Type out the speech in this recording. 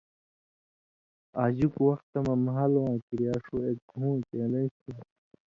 آژُک وختہ مہ مھالواں کریا ݜُو اک گھوں چېلنج تُھو